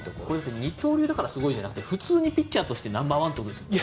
二刀流だからすごいじゃなくて普通にピッチャーとしてナンバーワンということですよね。